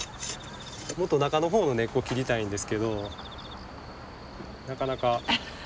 もっと中のほうの根っこ切りたいんですけどなかなかそこまで。